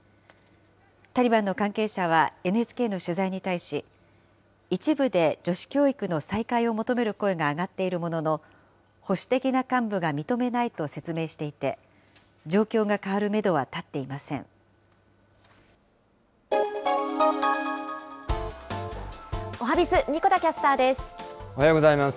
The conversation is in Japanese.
タリバンの関係者は、ＮＨＫの取材に対し、一部で女子教育の再開を求める声が上がっているものの、保守的な幹部が認めないと説明していて、状況が変わるメドは立っおはＢｉｚ、神子田キャスタおはようございます。